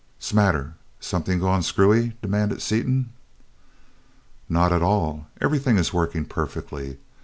"'Smatter? Something gone screwy?" demanded Seaton. "Not at all, everything is working perfectly.